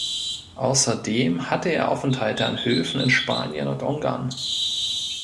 Außerdem hatte er Aufenthalte an Höfen in Spanien und Ungarn.